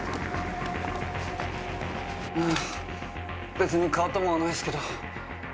別に変わったもんはないっすけど。